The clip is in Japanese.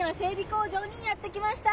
工場にやって来ました。